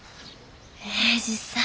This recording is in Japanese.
英治さん。